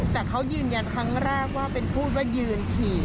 แต่เขายืนยันครั้งแรกว่าเป็นพูดว่ายืนฉี่